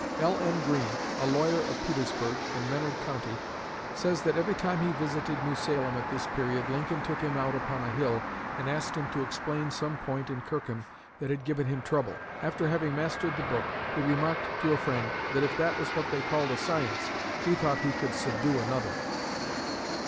L.M. Green, a lawyer of Petersburg, in Menard County, says that every time he visited New Salem at this period Lincoln took him out upon a hill and asked him to explain some point in Kirkham that had given him trouble. After having mastered the book he remarked to a friend that if that was what they called a science he thought he could "subdue another."